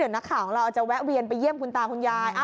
นักข่าวของเราจะแวะเวียนไปเยี่ยมคุณตาคุณยาย